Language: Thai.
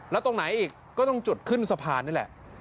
แล้วตรงไหนอีกก็ต้องจุดขึ้นสะพานนี่แหละ